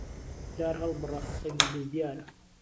دار ههڵبڕه سهگی دز دیاره